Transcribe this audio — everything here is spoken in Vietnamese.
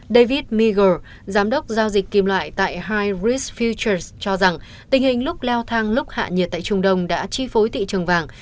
david meagher giám đốc giao dịch kim loại tại high risk futures cho rằng tình hình lúc leo thang lúc hạ nhiệt tại trung đông đã chi phối thị trường vàng